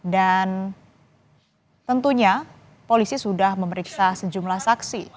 dan tentunya polisi sudah memeriksa sejumlah saksi